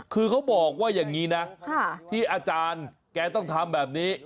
คือเขาบอกว่าอย่างนี้นะที่อาจารย์แกต้องทำแบบนี้